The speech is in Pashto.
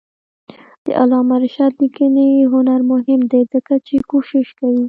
د علامه رشاد لیکنی هنر مهم دی ځکه چې کوشش کوي.